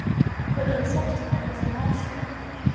What they expected to find was a monster.